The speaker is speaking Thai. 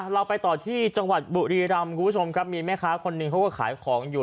เราไปต่อที่จังหวัดบุรีรำคุณผู้ชมครับมีแม่ค้าคนหนึ่งเขาก็ขายของอยู่